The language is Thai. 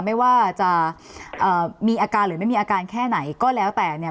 ไม่ว่าจะมีอาการหรือไม่มีอาการแค่ไหนก็แล้วแต่เนี่ย